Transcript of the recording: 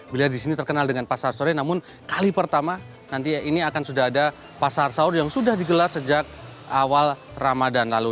bila di sini terkenal dengan pasar sore namun kali pertama nanti ini akan sudah ada pasar sahur yang sudah digelar sejak awal ramadan lalu